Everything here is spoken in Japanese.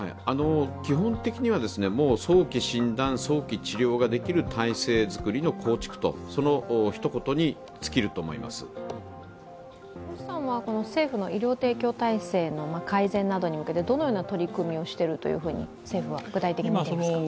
基本的にはもう早期診断・早期治療ができる体制づくりの構築、そのひと言に尽きると思います星さんは政府の医療提供体制の改善などに向けてどのような取り組みをしていると政府は具体的に見ていますか？